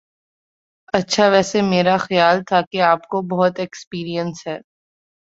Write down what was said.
اچھا ویسے میرا خیال تھا کہ آپ کو بہت ایکسپیرینس ہے